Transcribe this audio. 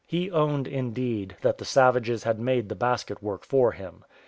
He owned, indeed, that the savages had made the basket work for him.